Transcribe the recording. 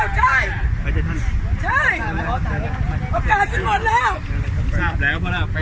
โอกาสคุณหมดแล้วใช่